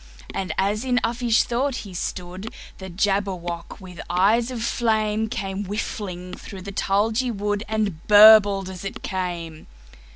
And as in uffish thought he stood, The Jabberwock, with eyes of flame, Came whiffling through the tulgey wood, And burbled as it came!